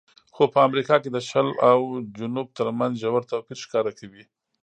خو په امریکا کې د شل او جنوب ترمنځ ژور توپیر ښکاره کوي.